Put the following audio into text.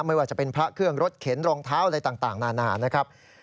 ไม่ว่าจะเป็นพระเครื่องรถเข็นรองเท้าอะไรต่างนานานะครับ